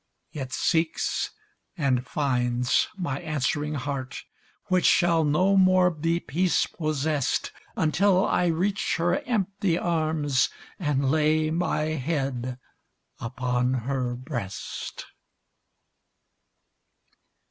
It seeks and finds my answering heart Which shall no more be peace possessed Until I reach her empty arms And lay my head upon her breast.